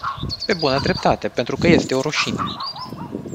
Pe bună dreptate, pentru că este o rușine!